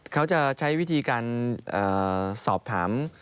เขาจะใช้วิธีการสอบถาม